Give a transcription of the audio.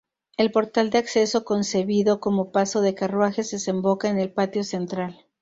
El portal de acceso, concebido como paso de carruajes, desemboca en el patio central.